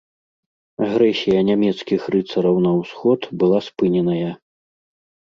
Агрэсія нямецкіх рыцараў на ўсход была спыненая.